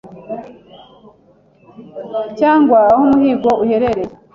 cyangwa aho umuhigo uherereye